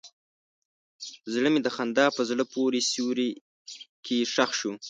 زړه مې د خندا په زړه پورې سیوري کې ښخ شو.